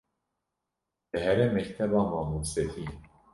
dihere mekteba mamostetiyê